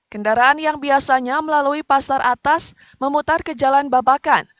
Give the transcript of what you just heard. kendaraan yang biasanya melalui pasar atas memutar ke jalan babakan